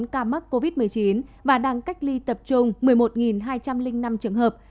một mươi ca mắc covid một mươi chín và đang cách ly tập trung một mươi một hai trăm linh năm trường hợp